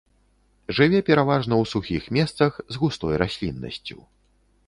Жыве пераважна ў сухіх месцах, з густой расліннасцю.